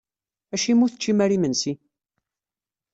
Acimi ur teččim ara imensi?